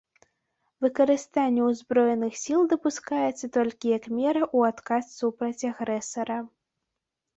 Выкарыстанне ўзброеных сіл дапускаецца толькі як мера ў адказ супраць агрэсара.